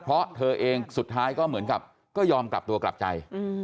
เพราะเธอเองสุดท้ายก็เหมือนกับก็ยอมกลับตัวกลับใจ